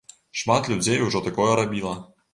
Шмат людзей ужо такое рабіла.